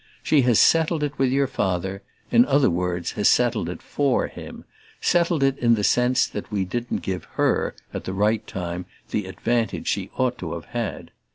She has settled it with your Father in other words has settled it FOR him: settled it in the sense that we didn't give HER, at the right time, the advantage she ought to have had.